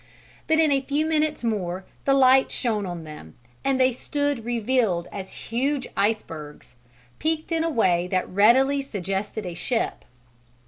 But in a few minutes more the light shone on them and they stood revealed as huge icebergs, peaked in a way that readily suggested a ship.